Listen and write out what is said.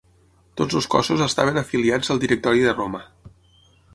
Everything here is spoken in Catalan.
Tots els cossos estaven afiliats al directori de Roma.